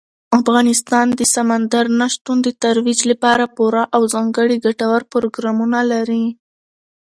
افغانستان د سمندر نه شتون د ترویج لپاره پوره او ځانګړي ګټور پروګرامونه لري.